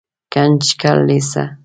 ګنجګل لېسه